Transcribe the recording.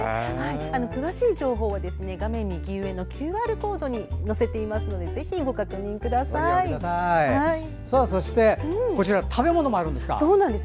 詳しい情報は画面右上のＱＲコードに載せていますのでそしてこちらそうなんです。